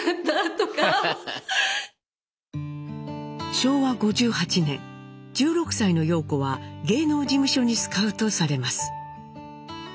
昭和５８年１６歳の陽子は芸能事務所にスカウトされます。